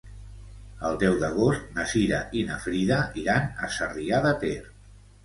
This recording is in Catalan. El deu d'agost na Cira i na Frida iran a Sarrià de Ter.